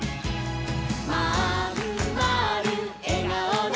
「まんまるえがおのハイ！」